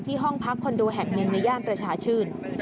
ที่ห้องพักคอนโดแฮกเมนในย่านประชาชื่น